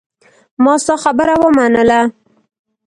ما ستا خبره ومنله.